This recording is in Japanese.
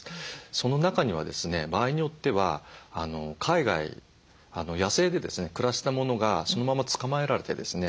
その中にはですね場合によっては海外野生でですね暮らしてたものがそのまま捕まえられてですね